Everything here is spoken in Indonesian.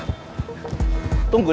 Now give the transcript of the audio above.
mereka udah siapin semua